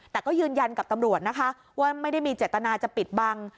แต่ก็ยืนยันกับตำรวจนะคะว่าไม่ได้มีเจตนาจะปิดบัง